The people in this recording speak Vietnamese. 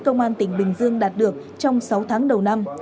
công an tỉnh bình dương đạt được trong sáu tháng đầu năm